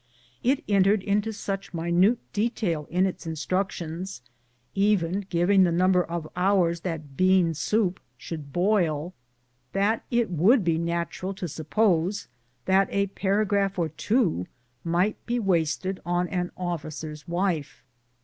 It enters into such minute detail in its instructions, even giving the number of hours that bean soup should boil, that it would be natural to suppose that a paragraph or two might be wasted on an officer's wife